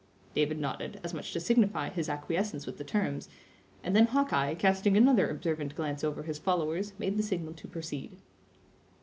David nodded, as much to signify his acquiescence with the terms; and then Hawkeye, casting another observant glance over his followers made the signal to proceed.